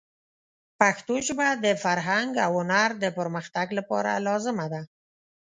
پښتو ژبه د فرهنګ او هنر د پرمختګ لپاره لازمه ده.